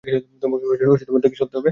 তোমাকেও দেখে চলতে হবে।